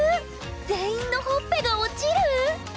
全員のほっぺが落ちる⁉